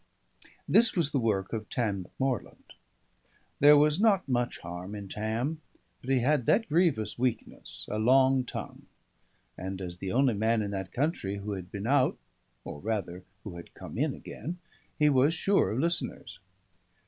This was the work of Tam Macmorland. There was not much harm in Tam; but he had that grievous weakness, a long tongue; and as the only man in that country who had been out or, rather, who had come in again he was sure of listeners.